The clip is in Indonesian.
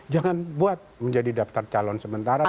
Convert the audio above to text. jangan buat menjadi daftar calon sementara